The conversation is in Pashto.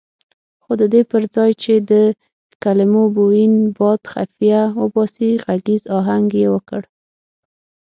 خو ددې پرځای چې د کلمو بوین باد خفیه وباسي غږیز اهنګ یې ورکړ.